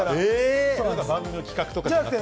番組の企画とかじゃなくて。